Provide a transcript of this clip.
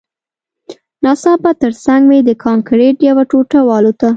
ناڅاپه ترڅنګ مې د کانکریټ یوه ټوټه والوته